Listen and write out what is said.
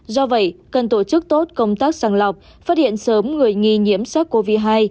do vậy cần tổ chức tốt công tác sàng lọc phát hiện sớm người nghi nhiễm sát covid hai